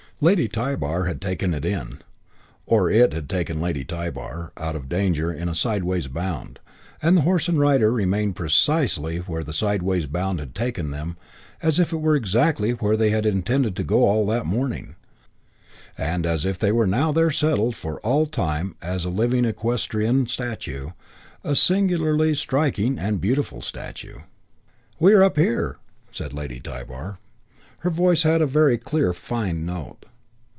Lady Tybar had taken it or it had taken Lady Tybar out of danger in a sideways bound, and horse and rider remained precisely where the sideways bound had taken them as if it were exactly where they had intended to go all that morning, and as if they were now settled there for all time as a living equestrian statue, a singularly striking and beautiful statue. "We are up here," said Lady Tybar. Her voice had a very clear, fine note.